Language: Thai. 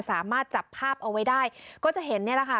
สามารถจับภาพเอาไว้ได้ก็จะเห็นเนี่ยแหละค่ะ